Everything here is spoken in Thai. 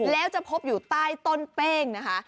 แล้วจะพบอยู่ใต้ต้นเป้งนะคะ